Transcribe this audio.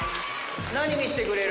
何見してくれる？